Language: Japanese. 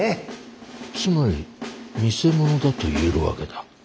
つまり偽物だと言えるわけだ。